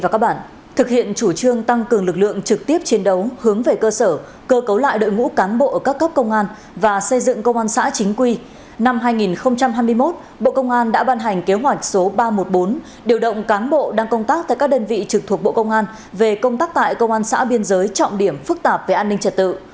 để thực hiện chủ trương này bộ công an cũng đã ban hành kế hoạch điều động cán bộ đang công tác tại các đơn vị trực thuộc bộ về công tác tại công an xã biên giới trọng điểm phức tạp về an ninh trả tự